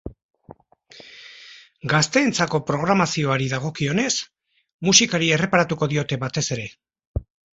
Gazteentzako programazioari dagokionez, musikari erreparatuko diote batez ere.